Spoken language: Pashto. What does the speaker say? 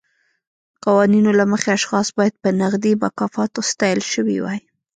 قوانینو له مخې اشخاص باید په نغدي مکافاتو ستایل شوي وای.